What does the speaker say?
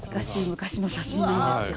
昔の写真なんですけれども。